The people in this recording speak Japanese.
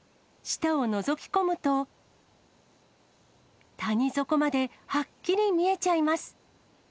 下をのぞき込むと、谷底まではっきり見えちゃいます。